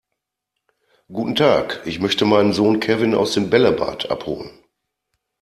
Guten Tag, ich möchte meinen Sohn Kevin aus dem Bällebad abholen.